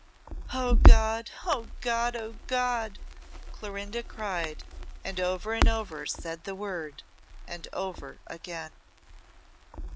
"O God! O God! O God!" Clorinda cried, and over and over said the word, and over again.